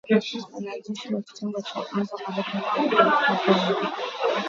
Wanajeshi wa kitengo cha anga Marekani wamepelekwa Poland.